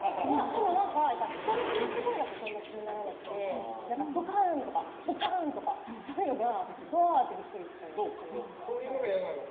でも人の話し声だとあまり気にならなくてドカーン！とかボカーン！とかそういうのはうわあ！ってビックリしちゃいます。